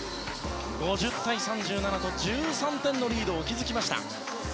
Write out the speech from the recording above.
５０対３７と１３点のリードを築きました。